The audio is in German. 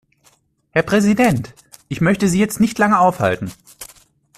Herr Präsident! Ich möchte Sie jetzt nicht lange aufhalten.